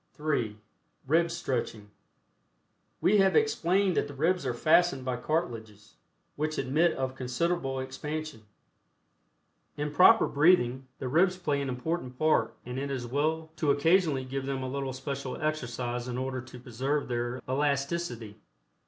(3) RIB STRETCHING. We have explained that the ribs are fastened by cartilages, which admit of considerable expansion. In proper breathing, the ribs play an important part, and it is well to occasionally give them a little special exercise in order to preserve their elasticity.